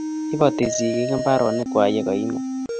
Ibati sikiik mbaronikwai ye ka imen